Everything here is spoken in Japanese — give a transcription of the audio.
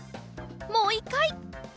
もう１かい！